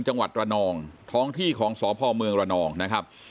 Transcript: จังหวัดระนองท้องที่ของสพเมืองระนองนะครับ